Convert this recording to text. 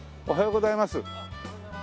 おはようございます。